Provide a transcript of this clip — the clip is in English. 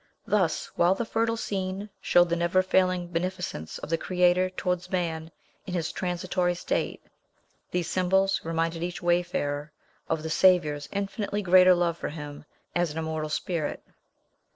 Thus, while the fertile scene showed the never failing beneficence of the Creator towards man in his transitory state, these symbols reminded each wayfarer of the Saviour's infinitely greater love for him as an immortal spirit.